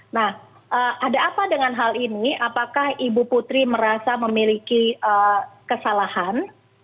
nah ada apa dengan hal ini apakah ibu putri merasa memiliki kesalahan